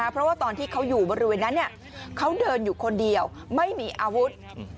เพราะว่าตอนที่เขาอยู่บริเวณนั้นเขาเดินอยู่คนเดียวไม่มีอาวุธ